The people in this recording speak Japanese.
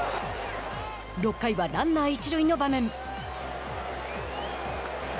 ６回はランナー一塁の場面。